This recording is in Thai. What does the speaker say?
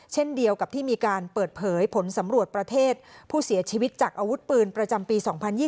เช่นเดียวกับที่มีการเปิดเผยผลสำรวจประเทศผู้เสียชีวิตจากอาวุธปืนประจำปี๒๐๒๐